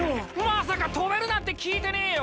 まさか飛べるなんて聞いてねえよ！